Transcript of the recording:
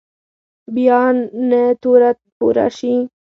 بیا نه توره پورته شي.